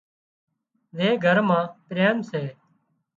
زي گھر مان پريم سي